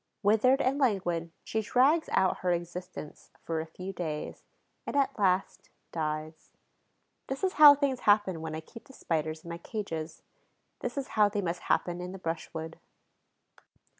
Withered and languid, she drags out her existence for a few days and, at last, dies. This is how things happen when I keep the Spiders in my cages; this is how they must happen in the brushwood.